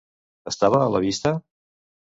Estava a la vista?